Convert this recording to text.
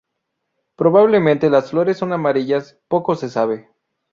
Probablemente las flores son amarillas, poco se sabe.